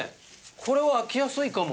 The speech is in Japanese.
これは開きやすいかも。